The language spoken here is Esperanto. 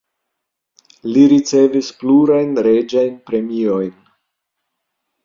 Li ricevis plurajn reĝajn premiojn.